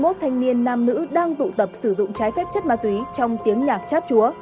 hai mươi một thanh niên nam nữ đang tụ tập sử dụng trái phép chất ma túy trong tiếng nhạc chát chúa